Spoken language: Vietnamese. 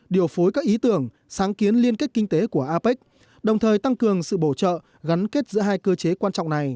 điều phối các ý tưởng sáng kiến liên kết kinh tế của apec đồng thời tăng cường sự bổ trợ gắn kết giữa hai cơ chế quan trọng này